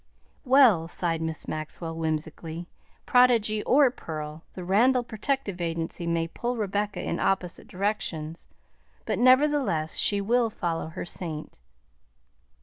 "Well," sighed Miss Maxwell whimsically, "prodigy or pearl, the Randall Protective Agency may pull Rebecca in opposite directions, but nevertheless she will follow her saint."